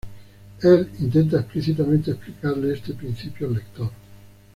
Él intenta explícitamente explicarle este principio al lector.